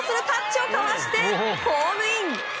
タッチをかわしてホームイン！